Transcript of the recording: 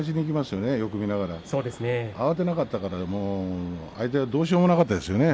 よく見ながら慌てなかったから相手はどうしようもなかったですよね。